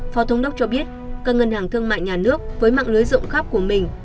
phó thống đốc cho biết các ngân hàng thương mại nhà nước với mạng lưới rộng khắp của mình